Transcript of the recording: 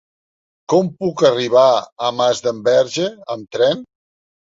Com puc arribar a Masdenverge amb tren?